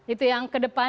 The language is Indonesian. itu yang kedepan